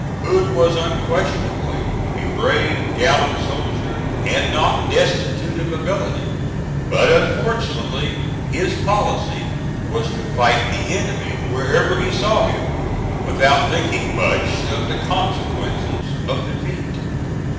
Hood was unquestionably a brave, gallant soldier and not destitute of ability; but unfortunately his policy was to fight the enemy wherever he saw him, without thinking much of the consequences of defeat.